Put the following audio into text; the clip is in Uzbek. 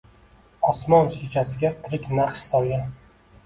Osmon shishasiga tirik naqsh solgan